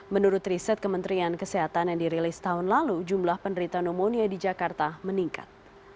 menurut riset kementerian kesehatan yang dirilis tahun lalu jumlah penderita pneumonia di jakarta meningkat